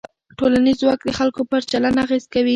ټولنیز ځواک د خلکو پر چلند اغېز کوي.